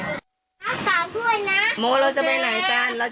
เออขอให้เถอะทุกทีน้ำน้ำมีได้บ๊ายบาย